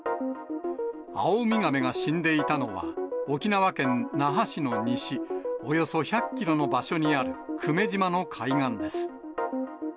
アオウミガメが死んでいたのは、沖縄県那覇市の西およそ１００キロの場所にある久米島の海岸です。